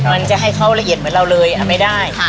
มันจะให้เขาละเอียดเหมือนเราเลยเอาไม่ได้